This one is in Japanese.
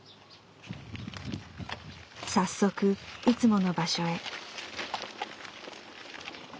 早速いつもの場所へ。